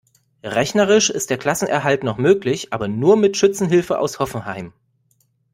Rechnerisch ist der Klassenerhalt noch möglich, aber nur mit Schützenhilfe aus Hoffenheim.